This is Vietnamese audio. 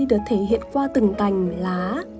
được thể hiện qua từng cành lá